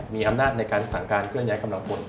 มีอำนาจในการสั่งการเคลื่อยกำลังพล